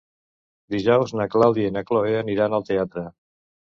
Dijous na Clàudia i na Cloè aniran al teatre.